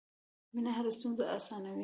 مینه هره ستونزه اسانوي.